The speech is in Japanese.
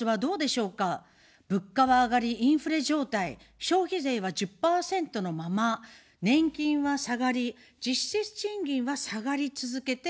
物価は上がり、インフレ状態、消費税は１０％のまま、年金は下がり、実質賃金は下がり続けています。